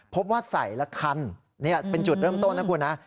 พบว่าใส่ละคันนี่เป็นจุดเริ่มต้นนะคุณนะ